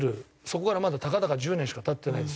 そこからまだたかだか１０年しか経ってないんですよ。